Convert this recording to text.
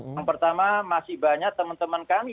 yang pertama masih banyak teman teman kami